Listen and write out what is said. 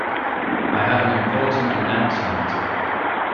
I have an important announcement